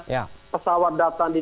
ya pesawat datang di